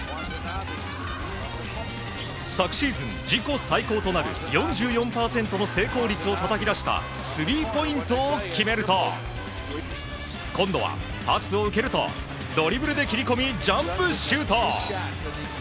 昨シーズン、自己最高となる４４％の成功率をたたき出したスリーポイントを決めると今度は、パスを受けるとドリブルで切れ込みジャンプシュート！